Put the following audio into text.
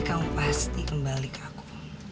kau pasti kembali ke aku